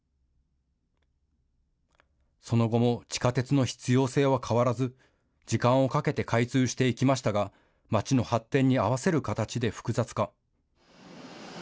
その後も地下鉄の必要性は変わらず時間をかけて開通していきましたがまちの発展に合わせる形で複雑化。